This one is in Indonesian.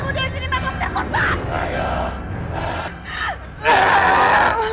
tidak saya tidak mau